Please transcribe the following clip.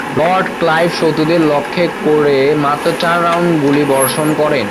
Lord Clive শত্রুদের লক্ষ্য করে মাত্র চার রাউন্ড গুলি বর্ষণ করেন।